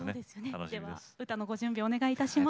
では歌のご準備お願いいたします。